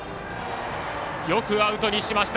よくアウトにしました！